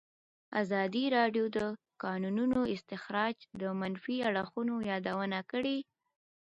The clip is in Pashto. ازادي راډیو د د کانونو استخراج د منفي اړخونو یادونه کړې.